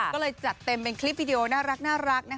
ก็เลยจัดเต็มเป็นคลิปวิดีโอน่ารัก